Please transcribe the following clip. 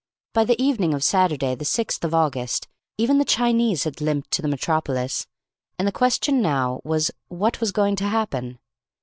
By the evening of Saturday, the sixth of August, even the Chinese had limped to the metropolis. And the question now was, What was going to happen?